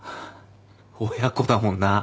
親子だもんな。